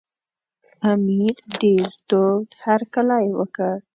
امیر ډېر تود هرکلی وکړ.